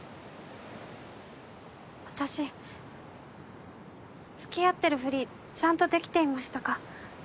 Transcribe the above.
私付き合ってるふりちゃんとできていましたか？